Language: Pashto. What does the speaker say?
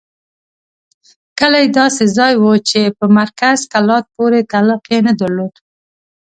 کلی داسې ځای وو چې په مرکز کلات پورې تعلق یې نه درلود.